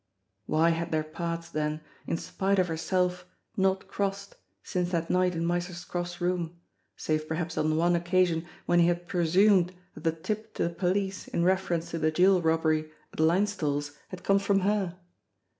Why had their paths then, in spite of herself, not crossed since that night in Miser Scroff's room, save perhaps on the one occasion when he had presumed that the tip to the police in reference to the jewel robbery at Linesthal's had come from her?